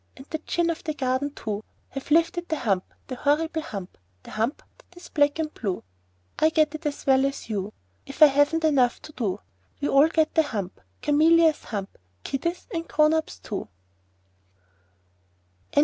And the Djinn of the Garden too, Have lifted the hump The horrible hump The hump that is black and blue! I get it as well as you oo oo If I haven't enough to do oo oo We all get hump Cameelious hump Kiddies and grown ups too!